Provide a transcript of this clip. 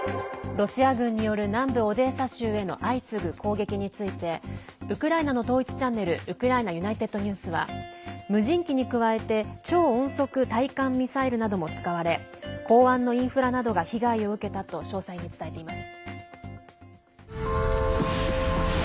ロシア軍による南部オデーサ州への相次ぐ攻撃についてウクライナの統一チャンネルウクライナＵｎｉｔｅｄＮｅｗｓは無人機に加えて超音速対艦ミサイルなども使われ港湾のインフラなどが被害を受けたと詳細に伝えています。